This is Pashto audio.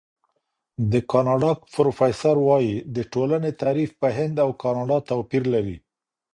د کاناډا پروفیسور وايي، د ټولنې تعریف په هند او کاناډا توپیر لري.